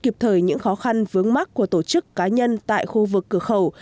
kịp thời những khó khăn vướng mắt của tổ chức cá nhân tại khu vực cửa khẩu